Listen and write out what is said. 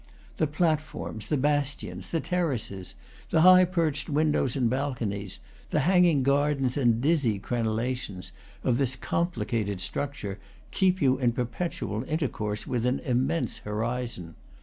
The plat forms, the bastions, the terraces, the high perched windows and balconies, the hanging gardens and dizzy crenellations, of this complicated structure, keep you in perpetual intercourse with an immense horizon.